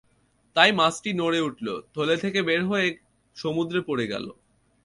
তাই মাছটি নড়ে উঠল, থলে থেকে বের হয়ে সমুদ্রে পড়ে গেল।